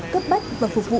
cấp bách và phục vụ đồng bộ